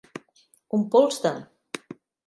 Un pols de.